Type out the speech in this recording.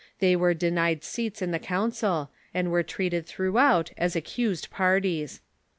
They Avere denied seats in the Council, and were treated throughout as accused par ties.